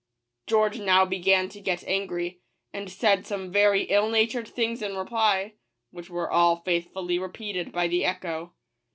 George now began to get angry, and said some very ill natured things in reply, which were all faithfully repeated by the echo.